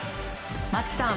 松木さん